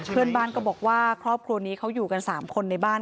เพื่อนบ้านก็บอกว่าครอบครัวนี้เขาอยู่กัน๓คนในบ้าน